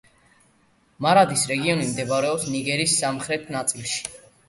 მარადის რეგიონი მდებარეობს ნიგერის სამხრეთ ნაწილში.